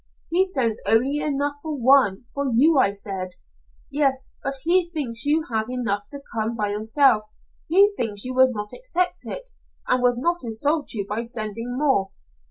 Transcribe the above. "'He sends only enough for one for you,' I said. "'Yes, but he thinks you have enough to come by yourself. He thinks you would not accept it and would not insult you by sending more.'